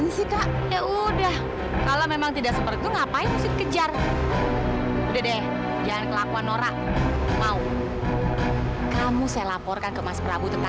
sampai jumpa di video selanjutnya